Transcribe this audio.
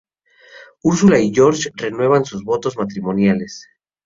Úrsula y George renuevan sus votos matrimoniales.